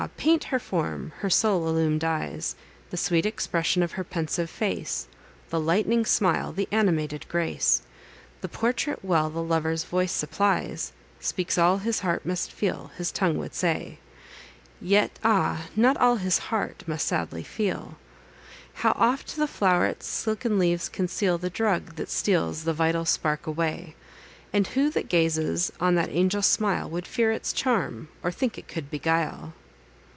paint her form, her soul illumin'd eyes, The sweet expression of her pensive face, The light'ning smile, the animated grace— The portrait well the lover's voice supplies; Speaks all his heart must feel, his tongue would say: Yet ah! not all his heart must sadly feel! How oft the flow'ret's silken leaves conceal The drug that steals the vital spark away! And who that gazes on that angel smile, Would fear its charm, or think it could beguile!